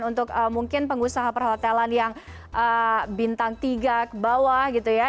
untuk mungkin pengusaha perhotelan yang bintang tiga ke bawah gitu ya